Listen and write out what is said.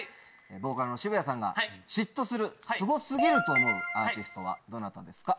ボーカルの渋谷さんが嫉妬するすご過ぎると思うアーティストはどなたですか？